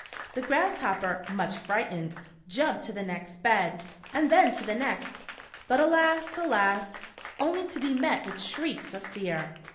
The Grasshopper, much frightened, jumped to the next bed, and then to the next, but alas, alas, only to be met with shrieks of fear.